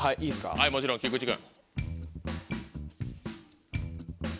はいもちろん菊池君。